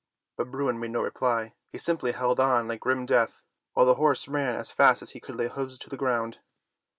But Bruin made no reply, He simply held on like grim death while the horse ran as fast as he could lay hoofs to the ground.